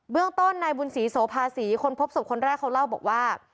เรื่องต้นนายบุญศรีโสภาษีคนพบศพคนแรกเขาเล่าบอกว่า